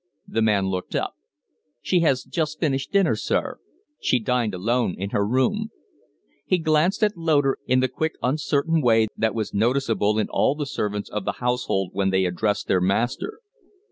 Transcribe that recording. The man looked up. "She has just finished dinner, sir. She dined alone in her own room." He glanced at Loder in the quick, uncertain way that was noticeable in all the servants of the household when they addressed their master.